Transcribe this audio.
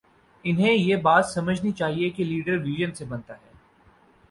انہیں یہ بات سمجھنی چاہیے کہ لیڈر وژن سے بنتا ہے۔